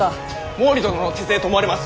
毛利殿の手勢と思われます。